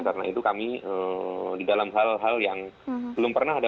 karena itu kami di dalam hal hal yang belum pernah ada